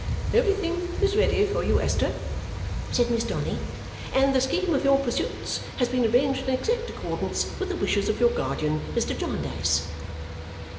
"Everything is ready for you, Esther," said Miss Donny, "and the scheme of your pursuits has been arranged in exact accordance with the wishes of your guardian, Mr. Jarndyce."